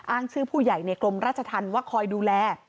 อ้างชื่อผู้ใหญ่ในกรมราชธรรมว่าคอยดูแล